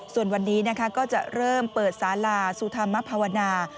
ส่วนวันนี้นะคะก็จะเริ่มเปิดสาลาสุธรรมภาวนา